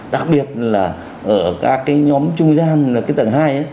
đặc biệt là ở các cái nhóm trung gian là cái tầng hai